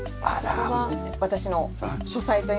ここが私の書斎といいますか。